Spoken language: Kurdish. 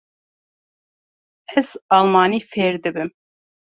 Ez almanî fêr dibim.